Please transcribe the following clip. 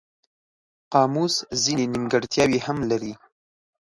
قاموس ځینې نیمګړتیاوې هم لري.